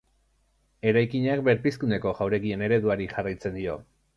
Eraikinak Berpizkundeko jauregien ereduari jarraitzen dio.